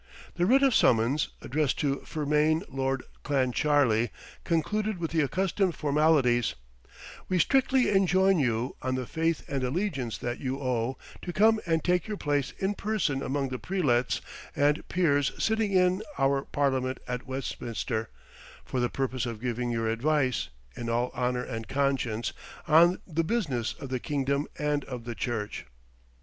The writ of summons, addressed to Fermain Lord Clancharlie, concluded with the accustomed formalities, "We strictly enjoin you, on the faith and allegiance that you owe, to come and take your place in person among the prelates and peers sitting in our Parliament at Westminster, for the purpose of giving your advice, in all honour and conscience, on the business of the kingdom and of the church."